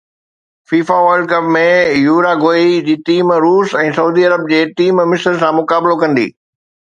FIFA world cup ۾ Uruguay جي team روس ۽ سعودي عرب جي ٽيم مصر سان مقابلو ڪندي